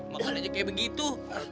makan aja kayak begitu